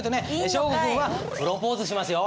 祥伍君はプロポーズしますよ。